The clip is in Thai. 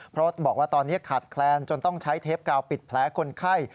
เพราะบอกว่าตอนนี้ขาดแคลนจนต้องใช้เทปกาวปิดแผลคนไข้